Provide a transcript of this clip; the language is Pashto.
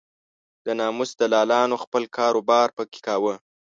د ناموس دلالانو خپل کار و بار په کې کاوه.